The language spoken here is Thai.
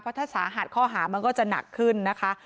เพราะถ้าสาหัสข้อหามันก็จะหนักขึ้นนะคะ